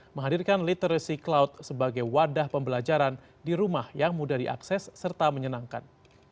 menghadirkan literacy cloud sebagai wadah pembelajaran di rumah yang mudah diakses serta menyenangkan